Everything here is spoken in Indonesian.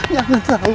jangan sal ini yaa